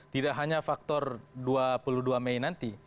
tidak hanya faktor dua puluh dua mei nanti